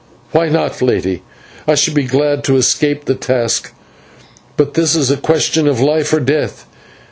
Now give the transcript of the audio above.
"Why not, Lady? I should be glad to escape the task, but this is a question of life or death."